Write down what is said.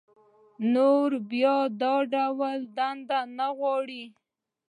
نور بيا دا ډول دندې نه غواړي